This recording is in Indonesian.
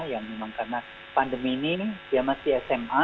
yang memang karena pandemi ini dia masih sma